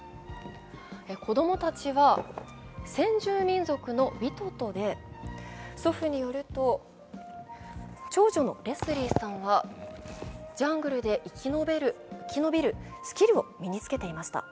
子供たちは先住民族のウィトトで祖父によると長女のレスリーさんはジャングルで生き延びるスキルを身につけていました。